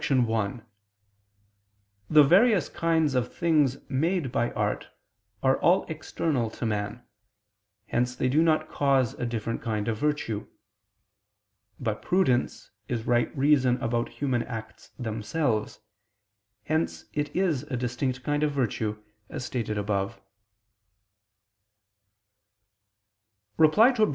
1: The various kinds of things made by art are all external to man: hence they do not cause a different kind of virtue. But prudence is right reason about human acts themselves: hence it is a distinct kind of virtue, as stated above. Reply Obj.